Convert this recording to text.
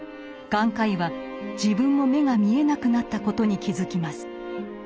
眼科医は自分も目が見えなくなったことに気付きます。